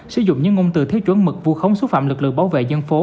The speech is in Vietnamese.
sử dụng những ngôn từ thiếu chuẩn mực vu khống xúc phạm lực lượng bảo vệ dân phố